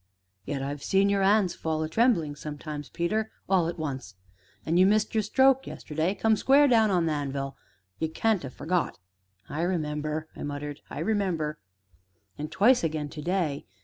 "Yet I've seen your 'ands fall a trembling sometimes, Peter all at once. An' you missed your stroke yesterday come square down on th' anvil you can't ha' forgot?" "I remember," I muttered; "I remember." "An' twice again to day.